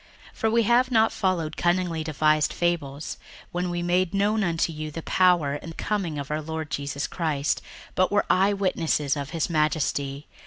61:001:016 For we have not followed cunningly devised fables, when we made known unto you the power and coming of our Lord Jesus Christ, but were eyewitnesses of his majesty.